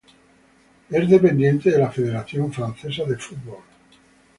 Es dependiente de la Federación Francesa de Fútbol.